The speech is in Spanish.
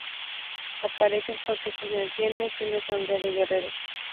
Aparece un consejo de ancianos y una asamblea de guerreros.